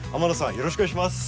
よろしくお願いします。